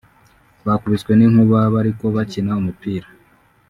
bakubiswe n'inkuba bariko bakina umupira